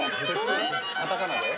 カタカナで？